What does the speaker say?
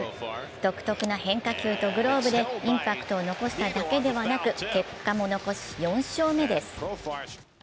独特な変化球とグローブでインパクトを残しただけではなく、結果も残し、４勝目です。